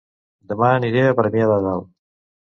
Dema aniré a Premià de Dalt